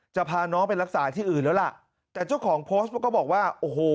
จะพาน้องไปรักษาที่อื่นแล้วล่ะแต่เจ้าของโพสต์ก็บอกว่าโอ้โห